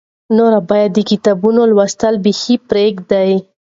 نور باید د کتابونو لوستل بیخي پرېږدې.